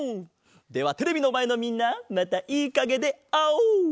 ではテレビのまえのみんなまたいいかげであおう！